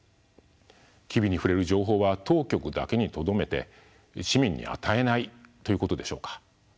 機微に触れる情報は当局だけにとどめて市民に与えないということでしょうか。